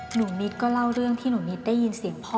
นิดก็เล่าเรื่องที่หนูนิดได้ยินเสียงพ่อ